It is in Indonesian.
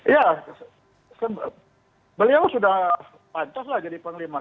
ya beliau sudah pantaslah jadi panglima